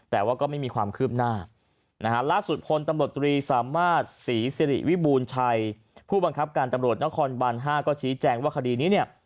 แต่ว่าก็ไม่มีความคืบหน้านะฮะล่าสุดพลตำรวจตรีสามารถศรีสิริวิบูรณ์ชัยผู้บังคับการตำรวจนครบัน๕ก็ชี้แจงว่าคดีนี้เนี่ย